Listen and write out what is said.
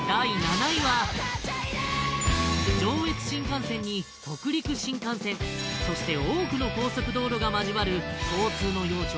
上越新幹線に北陸新幹線そして多くの高速道路が交わる交通の要所